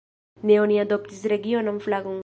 Ne oni adoptis regionan flagon.